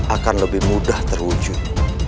akan lebih mudah terwujud